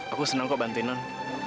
aku senang kau bantuin nan